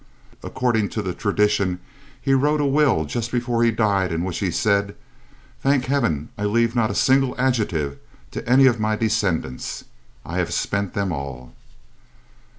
According to the tradition, he wrote a will just before he died in which he said, "Thank heaven I leave not a single adjective to any of my descendants. I have spent them all."